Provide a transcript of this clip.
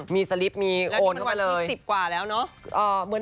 มีสลิปมีโอนเข้ามาเลยแล้วนี่คือวันที่๑๐กว่าแล้วเนอะ